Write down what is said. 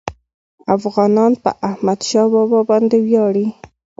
افغانان په احمدشاه بابا باندي ویاړي.